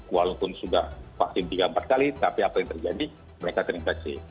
walaupun sudah vaksin tiga empat kali tapi apa yang terjadi mereka terinfeksi